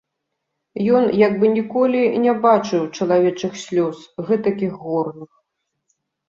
Ён як бы ніколі не бачыў чалавечых слёз, гэтакіх горных.